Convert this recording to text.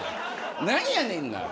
何やねんな。